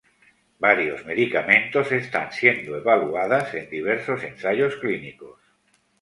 Varios medicamentos están siendo evaluadas en diversos ensayos clínicos.